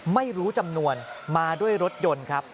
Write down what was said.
ไม่รู้จำนวนมาด้วยรถยนต์ครับ